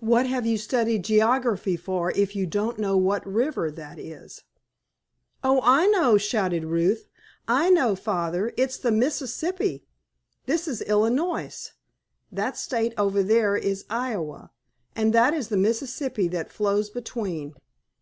What have you studied geography for if you don't know what river that is?" "Oh, I know!" shouted Ruth, "I know, Father! It's the Mississippi! This is Illinois, that State over there is Iowa, and that is the Mississippi that flows between!"